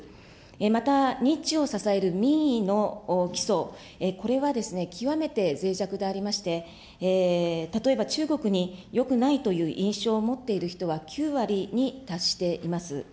また、日中を支える民意の基礎、これは極めてぜい弱でありまして、例えば中国によくないという印象を持っている人は９割に達しています。